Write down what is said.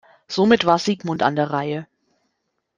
Somit war Siegmund an der Reihe.